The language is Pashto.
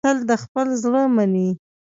احمد تل د خپل زړه مني.